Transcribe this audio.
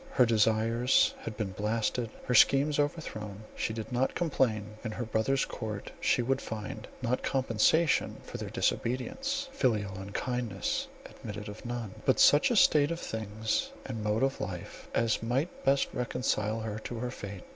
Her desires had been blasted, her schemes overthrown. She did not complain; in her brother's court she would find, not compensation for their disobedience (filial unkindness admitted of none), but such a state of things and mode of life, as might best reconcile her to her fate.